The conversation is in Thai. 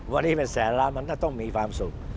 วันนี้เป็นแสนล้านมันก็ต้องมีความสุข